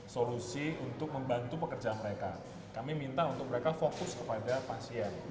solusi untuk membantu pekerjaan mereka kami minta untuk mereka fokus kepada pasien